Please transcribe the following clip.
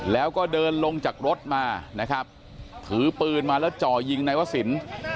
แล้วก็เดินลงจากรถมานะครับถือปืนมาแล้วจ่อยิงนายวศิลป์